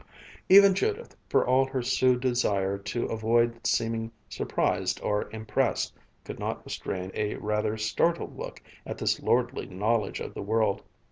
Even Judith, for all her Sioux desire to avoid seeming surprised or impressed, could not restrain a rather startled look at this lordly knowledge of the world.